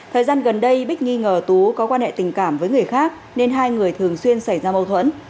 thời gian gần đây bích nghi ngờ tú có quan hệ tình cảm với người khác nên hai người thường xuyên xảy ra mâu thuẫn